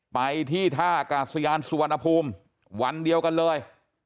ไปที่ท่ากาศยานสุวรรณภูมิวันเดียวกันเลย